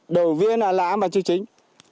đổ viêm là lãm bằng chú chính